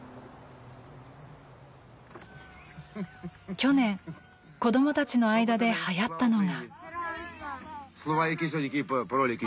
去年、子供たちの間ではやったのが。